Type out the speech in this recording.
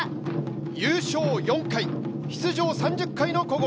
優勝４回、出場３０回の古豪。